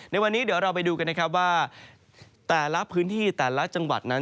ในวันนี้เดี๋ยวเราไปดูกันนะครับว่าแต่ละพื้นที่แต่ละจังหวัดนั้น